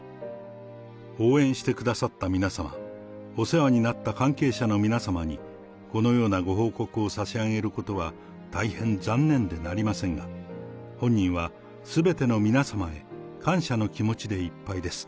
応援してくださった皆様、お世話になった関係者の皆様に、このようなご報告を差し上げることは大変残念でなりませんが、本人は、すべての皆様へ、感謝の気持ちでいっぱいです。